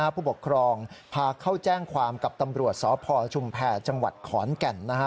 ผู้ปกครองพาเข้าแจ้งความกับตำรวจสพชุมแผ่จังหวัดขอนแก่น